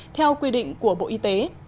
theo quy định của bộ y tế